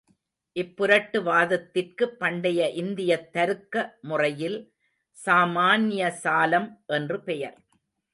இப்புரட்டு வாதத்திற்கு பண்டைய இந்தியத் தருக்க முறையில் சாமான்ய சாலம் என்று பெயர்.